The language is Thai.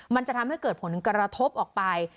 มันจะทำให้เกิดผลกระทบออกไป